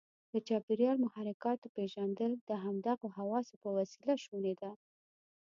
د چاپیریال محرکاتو پېژندل د همدغو حواسو په وسیله شونې ده.